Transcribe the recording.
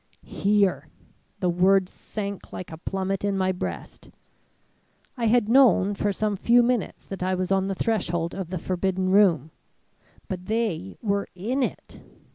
"Here! The word sank like a plummet in my breast. I had known for some few minutes that I was on the threshold of the forbidden room; but they were in it.